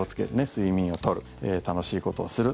睡眠を取る楽しいことをする。